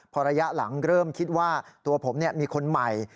พอระยะหลังเริ่มคิดว่าตัวผมมีคนใหม่